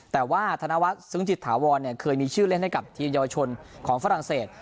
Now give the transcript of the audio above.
แต่ว่าธนวัฒน์ซึ้งจิตถาวรเคยมีชื่อเล่นให้กับทีมเยาวชนของฝรั่งเศส